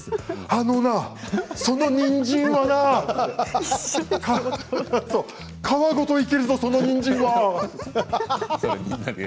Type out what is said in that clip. あのな、そのにんじんはなって皮ごといけるぞそのにんじんはって。